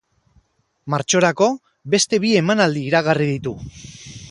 Martxorako, beste bi emanaldi iragarri ditu.